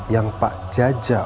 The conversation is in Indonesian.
yang pak jaja